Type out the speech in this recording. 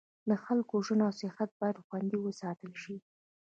د خلکو ژوند او صحت باید خوندي وساتل شي.